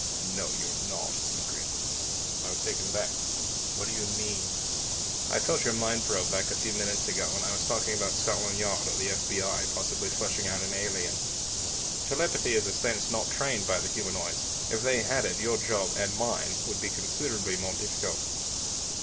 "No, you're not," he grinned. I was taken aback. "What do you mean?" "I felt your mind probe back a few minutes ago when I was talking about Scotland Yard or the F.B.I. possibly flushing an alien. Telepathy is a sense not trained by the humanoids. If they had it, your job and mine would be considerably more difficult.